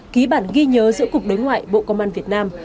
ký bản ghi nhớ giữa cục đối ngoại bộ công an việt nam